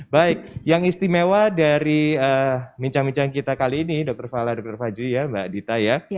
baik yang istimewa dari mincam mincam kita kali ini dr fala dr fajri mbak adita